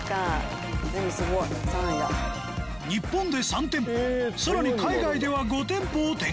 日本で３店舗さらに海外では５店舗を展開